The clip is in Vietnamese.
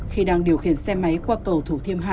khi đang điều khiển xe máy qua cầu thủ thiêm hai